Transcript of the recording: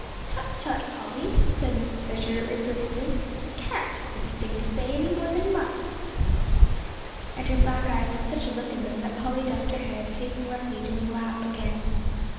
"Tut, tut, Polly," said Mrs. Fisher, reprovingly; "'can't' isn't the thing to say any more than 'must.'" And her black eyes had such a look in them that Polly ducked her head, taking refuge in the lap again.